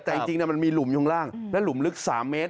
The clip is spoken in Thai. แต่จริงมันมีหลุมอยู่ข้างล่างและหลุมลึก๓เมตร